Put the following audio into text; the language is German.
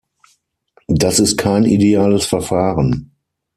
Das ist kein ideales Verfahren.